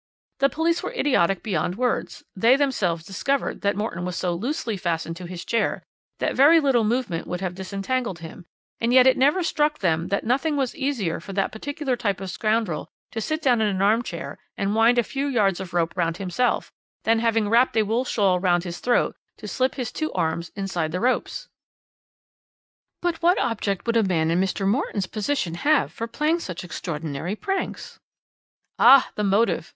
The police were idiotic beyond words; they themselves discovered that Morton was so 'loosely' fastened to his chair that very little movement would have disentangled him, and yet it never struck them that nothing was easier for that particular type of scoundrel to sit down in an arm chair and wind a few yards of rope round himself, then, having wrapped a wool shawl round his throat, to slip his two arms inside the ropes." "But what object would a man in Mr. Morton's position have for playing such extraordinary pranks?" "Ah, the motive!